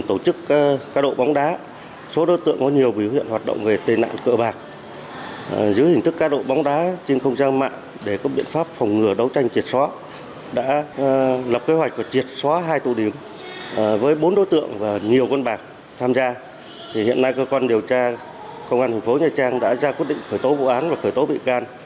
tuy nhiên công an thành phố nha trang đã ra quyết định khởi tố vụ án và khởi tố bị can